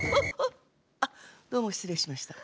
あっどうもしつれいしました。